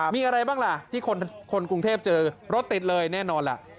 มีอะไรบ้างล่ะที่คนกรุงเทพเจอรถติดเลยแน่นอนล่ะ